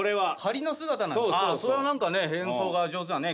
それは何かね変装が上手なね